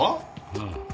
うん。